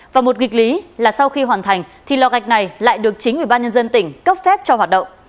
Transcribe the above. và một nghịch lý là sau khi hoàn thành thì lò gạch này lại được chính ủy ban nhân dân tỉnh cấp phép cho hoạt động